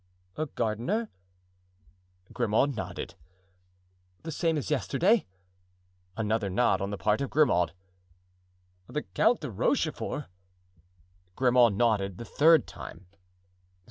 "A gardener?" Grimaud nodded. "The same as yesterday?" Another nod on the part of Grimaud. "The Count de Rochefort?" Grimaud nodded the third time.